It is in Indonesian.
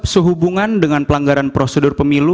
sehubungan dengan pelanggaran prosedur pemilu